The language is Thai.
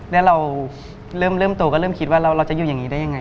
แล้วเราเริ่มโตก็เริ่มคิดว่าเราจะอยู่อย่างนี้ได้ยังไง